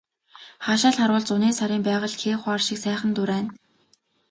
Хаашаа л харвал зуны сарын байгаль хээ хуар шиг сайхан дурайна.